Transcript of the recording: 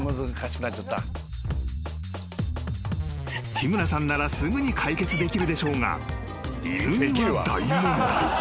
［日村さんならすぐに解決できるでしょうが犬には大問題］